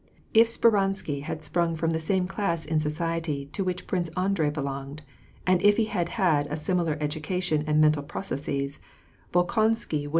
If Speransky had sprung from the same class in society to which Prince Andrei belonged, if he had had a similar education and mental processes, Bolkonsky would 172 ^AR AND PEACE.